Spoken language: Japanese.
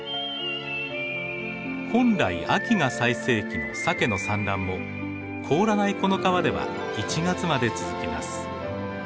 本来秋が最盛期のサケの産卵も凍らないこの川では１月まで続きます。